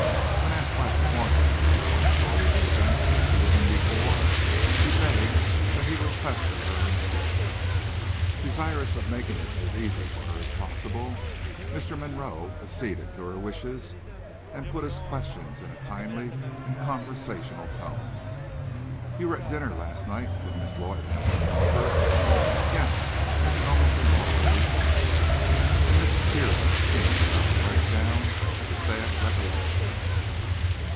When asked by the coroner to tell her own story of the events of the evening before, she begged that he would question her instead. Desirous of making it as easy for her as possible, Mr. Monroe acceded to her wishes, and put his questions in a kindly and conversational tone. "You were at dinner last night, with Miss Lloyd and Mr. Crawford?" "Yes," was the almost inaudible reply, and Mrs. Pierce seemed about to break down at the sad recollection.